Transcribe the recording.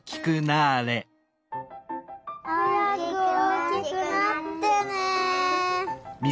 はやくおおきくなってね。